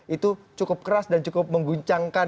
itu cukup keras dan cukup mengguncangkan